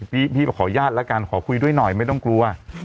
พี่ขออนุญาตแล้วกันขอคุยด้วยหน่อยไม่ต้องกลัว